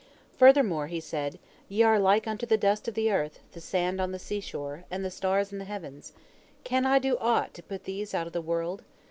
" Furthermore he said: "Ye are like unto the dust of the earth, the sand on the sea shore, and the stars in the heavens. Can I do aught to put these out of the world?